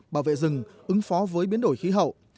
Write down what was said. bảo vệ rừng ứng phó với biến đổi khí hậu